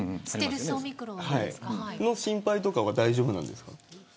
その心配とかは大丈夫なんですか。